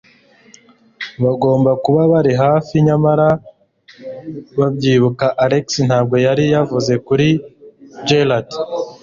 Bagomba kuba bari hafi, nyamara, mubyibuka, Alex ntabwo yari yavuze kuri Gerald.